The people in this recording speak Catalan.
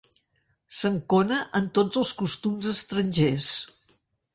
S'encona en tots els costums estrangers.